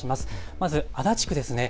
まず足立区です。